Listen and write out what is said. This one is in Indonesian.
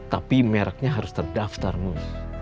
tapi mereknya harus terdaftar mu